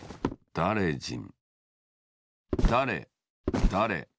だれじん。